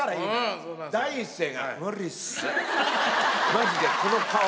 マジでこの顔。